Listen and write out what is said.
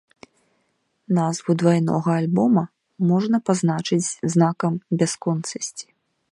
Назву двайнога альбома, можна пазначыць знакам бясконцасці.